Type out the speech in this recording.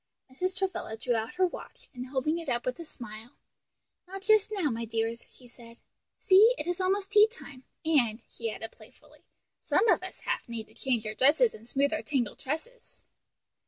Mrs. Travilla drew out her watch, and holding it up with a smile, "Not just now, my dears," she said, "see it is almost tea time, and," she added playfully, "some of us have need to change our dresses and smooth our tangled tresses."